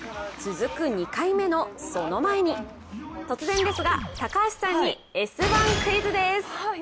続く、２回目のその前に突然ですが、高橋さんに「Ｓ☆１Ｑｕｉｚ」です。